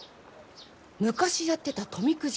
昔やってた富くじ